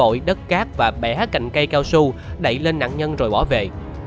sau khi gây án tên ác thủ đã lấp vội đất cát và bẻ cạnh cây cao su đẩy lên nạn nhân rồi bỏ về